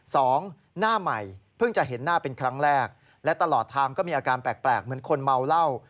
สองหน้าใหม่เพิ่งจะเห็นหน้าเป็นครั้งแรกและตลอดทางก็มีอาการแปลกเหมือนคนเมาเหล้า